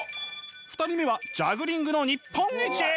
２人目はジャグリングの日本一。